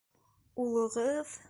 Улығыҙ...